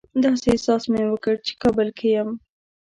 داسې احساس مې وکړ چې کابل کې یم.